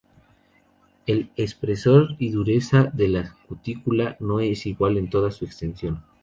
El espesor y dureza de la cutícula no es igual en toda su extensión.